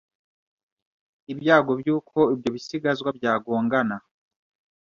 ibyago byuko ibyo bisigazwa byagongana